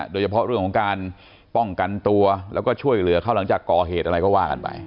โดยเฉพาะเรื่องของการป้องกันตัวแล้วก็ช่วยเหลือเขาหลังจากก่อเหตุอะไรก็ว่ากันไป